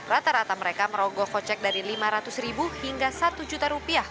rata rata mereka merogoh kocek dari lima ratus hingga satu juta rupiah